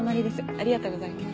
ありがとうございます。